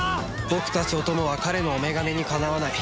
僕たちお供は彼のお眼鏡にかなわない